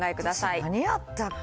何あったっけ？